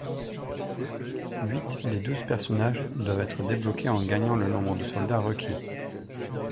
Huit des douze personnages doivent être débloqués en gagnant le nombre de soldats requis.